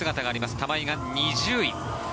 玉井が２０位。